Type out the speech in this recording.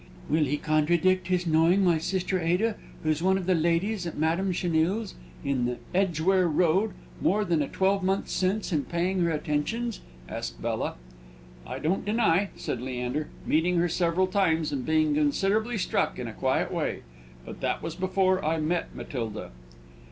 "Will he contradict his knowing my sister Ada, who's one of the ladies at Madame Chenille's, in the Edgware Road, more than a twelvemonth since, and paying her attentions?" asked Bella. "I don't deny," said Leander, "meeting her several times, and being considerably struck, in a quiet way. But that was before I met Matilda."